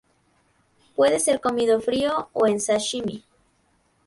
Puede ser comido frío o en sashimi.